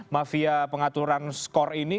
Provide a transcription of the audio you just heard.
mafia pengaturan skor ini